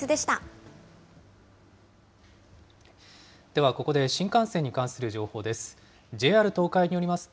ではここで新幹線に関する情報です。